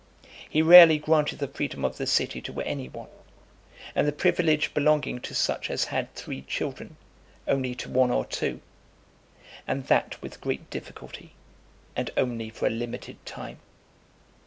He rarely granted the freedom of the city to any one; and the privilege belonging to such as had three children, only to one or two; and that with great difficulty, and only for a limited time.